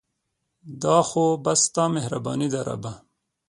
دا خو بس ستا مهرباني ده ربه